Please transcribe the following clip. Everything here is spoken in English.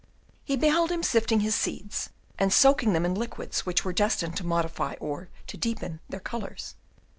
He beheld him sifting his seeds, and soaking them in liquids which were destined to modify or to deepen their colours.